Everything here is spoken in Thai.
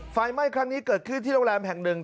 ไฟไหม้ครั้งนี้เกิดขึ้นที่โรงแรมแห่งหนึ่ง